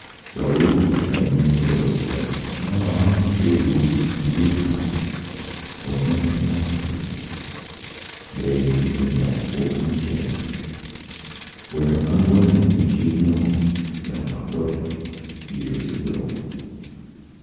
So the homely little slate Grandma's baby's fingers pressed, To a memory consecrate, Lieth in the oaken chest, Where, unwilling we should know, Grandma put it, years ago.